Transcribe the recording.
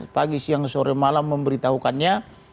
pagi siang sore malam memberitahukannya